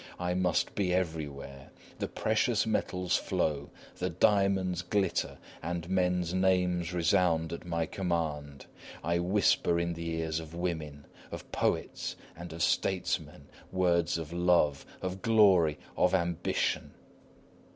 I must be everywhere. The precious metals flow, the diamonds glitter, and men's names resound at my command. I whisper in the ears of women, of poets, and of statesmen, words of love, of glory, of ambition.